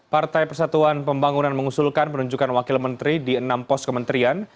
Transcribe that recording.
partai persatuan pembangunan mengusulkan penunjukan wakil menteri di enam pos kementerian